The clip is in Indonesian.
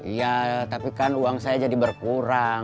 iya tapi kan uang saya jadi berkurang